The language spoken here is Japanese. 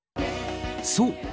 そう。